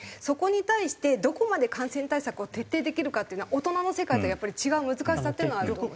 そこに対してどこまで感染対策を徹底できるかっていうのは大人の世界とはやっぱり違う難しさっていうのはある。